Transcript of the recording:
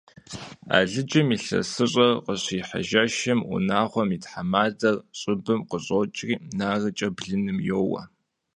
Алыджым илъэсыщӀэр къыщихьэ жэщым унагъуэм и тхьэмадэр щӀыбым къыщӀокӀри, нарыкӀэ блыным йоуэ.